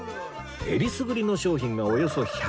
えりすぐりの商品がおよそ１００品！